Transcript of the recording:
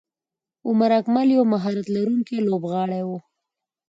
عمر اکمل یو مهارت لرونکی لوبغاړی وو.